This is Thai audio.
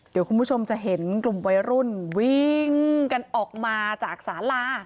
เดี๋ยวคุณผู้ชมจะเห็นกลุ่มวัยรุ่นวิ่งกันออกมาจากสาลา